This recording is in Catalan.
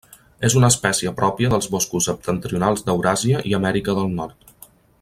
És una espècie pròpia dels boscos septentrionals d'Euràsia i Amèrica del Nord.